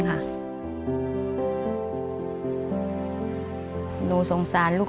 สุดท้าย